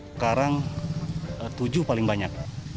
sekarang tujuh paling banyak